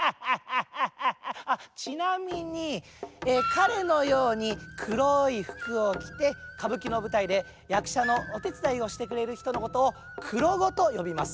かれのようにくろいふくをきてかぶきのぶたいでやくしゃのおてつだいをしてくれるひとのことを「くろご」とよびます。